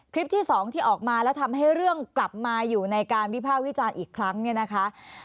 ที่สองที่ออกมาแล้วทำให้เรื่องกลับมาอยู่ในการวิภาควิจารณ์อีกครั้งเนี่ยนะคะ